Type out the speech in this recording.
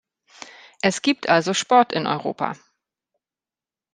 Es gibt also Sport in Europa.